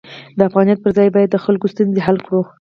د افغانیت پر ځای باید د خلکو ستونزې حل کړو.